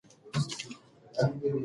د رنګ روښانتیا د حجرې حساسیت سره بدلېږي.